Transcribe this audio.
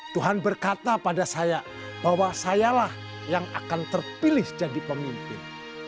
tuhan berkata pada saya bahwa sayalah yang akan terpilih jadi pemimpin